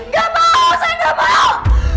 gak mau saya gak mau